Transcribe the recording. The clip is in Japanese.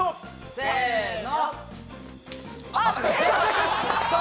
せの！